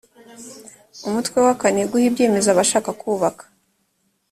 umutwe wa kane guha ibyemezo abashaka kubaka